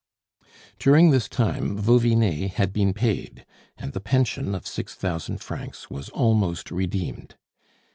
During this time, Vauvinet had been paid, and the pension of six thousand francs was almost redeemed.